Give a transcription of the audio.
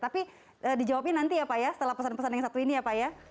tapi dijawabin nanti ya pak ya setelah pesan pesan yang satu ini ya pak ya